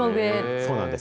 そうなんです。